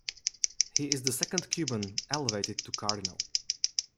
He is the second Cuban elevated to Cardinal.